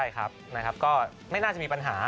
ก็ไม่น่าจะมีปัญหา